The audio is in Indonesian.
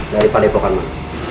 dari padepokan mana